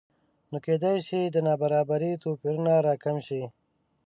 نو کېدای شي د نابرابرۍ توپیرونه راکم شي